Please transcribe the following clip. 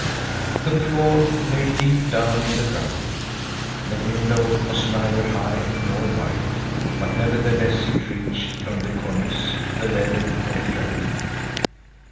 The floor lay deep down in the ground. The window was neither high nor wide, but nevertheless it reached from the cornice to the level of the earth.